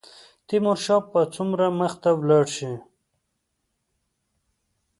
تیمورشاه به څومره مخته ولاړ شي.